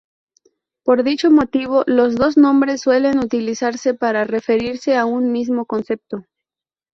Por dicho motivo, los dos nombres suelen utilizarse para referirse a un mismo concepto.